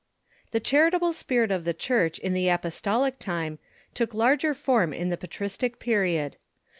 ] The charitable spirit of the Church in the apostolic time took larger form in the patristic period.